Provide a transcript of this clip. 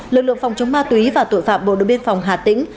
lực lượng phòng chống ma túy và tội phạm bộ đội biên phòng hà tĩnh